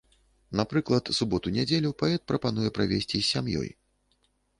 Напрыклад, суботу-нядзелю паэт прапануе правесці з сям'ёй.